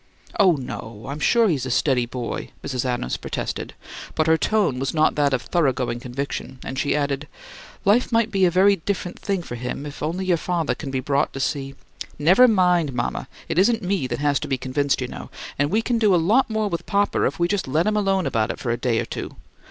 "Oh, no; I'm sure he's a steady boy," Mrs. Adams protested, but her tone was not that of thoroughgoing conviction, and she added, "Life might be a very different thing for him if only your father can be brought to see " "Never mind, mama! It isn't me that has to be convinced, you know; and we can do a lot more with papa if we just let him alone about it for a day or two.